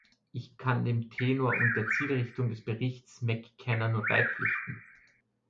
Ich kann dem Tenor und der Zielrichtung des Berichts McKenna nur beipflichten.